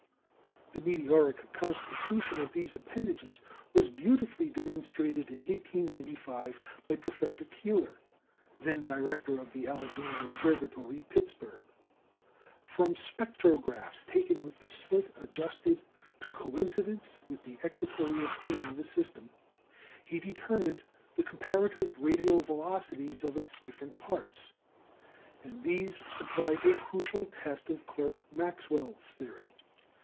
The meteoric constitution of these appendages was beautifully demonstrated in 1895 by Professor Keeler, then director of the Alleghany Observatory, Pittsburgh. From spectrographs taken with the slit adjusted to coincidence with the equatorial plane of the system, he determined the comparative radial velocities of its different parts. And these supply a crucial test of Clerk Maxwell's theory.